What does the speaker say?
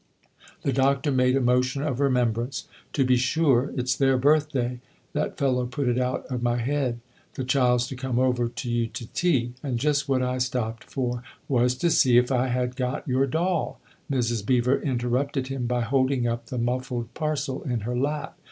The Doctor made a motion of remembrance. " To be sure it's their birthday : that fellow put it out of my head. The child's to come over to you to tea, and just what I stopped for "" Was to see if I had got your doll ?" Mrs. Beever interrupted him by holding up the muffled parcel in her lap.